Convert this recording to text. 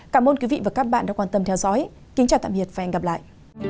cảm ơn quý vị và các bạn đã quan tâm theo dõi kính chào tạm biệt và hẹn gặp lại